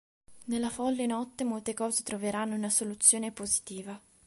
Nella folle notte molte cose troveranno una soluzione positiva